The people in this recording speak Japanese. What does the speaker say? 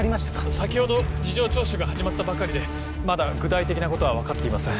先ほど事情聴取が始まったばかりでまだ具体的なことは分かっていません。